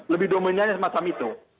lebih dominannya semacam itu